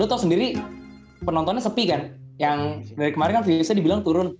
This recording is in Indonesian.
gue tau sendiri penontonnya sepi kan yang dari kemarin kan viewsnya dibilang turun